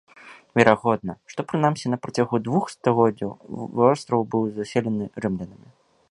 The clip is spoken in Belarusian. Верагодна, што прынамсі на працягу двух стагоддзяў востраў быў заселены рымлянамі.